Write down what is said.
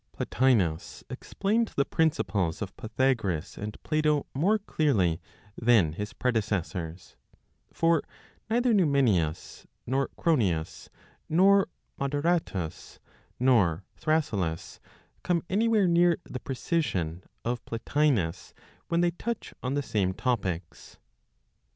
Plotinos explained the principles of Pythagoras and Plato more clearly than his predecessors; for neither Numenius, nor Cronius, nor Moderatus, nor Thrasyllus, come anywhere near the precision of Plotinos when they touch on the same topics.